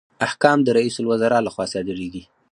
احکام د رئیس الوزرا لخوا صادریږي